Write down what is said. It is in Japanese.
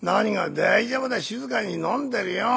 大丈夫だ静かに飲んでるよ。